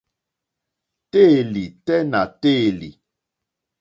Téèlì tɛ́ nà téèlì.